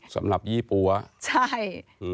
สำหรับยี่ปั๊วใช่